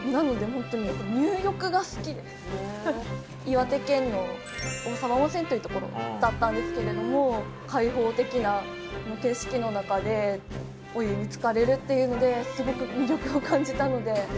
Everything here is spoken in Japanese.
岩手県の大沢温泉というところだったんですけれども開放的な景色の中でお湯につかれるっていうのですごく魅力を感じたので。